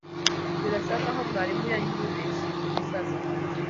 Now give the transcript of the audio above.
Birasa nkaho mwarimu yanyibeshye kuri musaza wanjye.